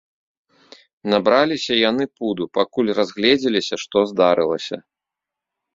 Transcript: Набраліся яны пуду, пакуль разгледзеліся, што здарылася.